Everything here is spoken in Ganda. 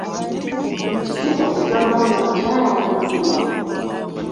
Kituufu okugamba mbu omukyala afumbirwa?